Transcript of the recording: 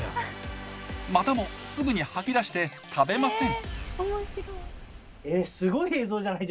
またもすぐに吐き出して食べません